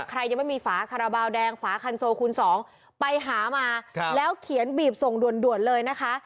ยังไม่มีฝาคาราบาลแดงฝาคันโซคูณสองไปหามาแล้วเขียนบีบส่งด่วนเลยนะคะ